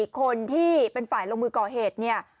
คนที่เป็นฝ่ายลงมือก่อเหตุเนี่ย